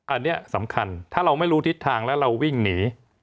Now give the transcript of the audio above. อันนี้สำคัญถ้าเราไม่รู้ทิศทางแล้วเราวิ่งหนี